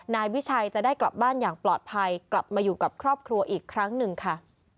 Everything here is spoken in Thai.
นายวิชัยจะได้กลับบ้านอย่างปลอดภัยกลับมาอยู่กับครอบครัวอีกครั้งหนึ่งค่ะ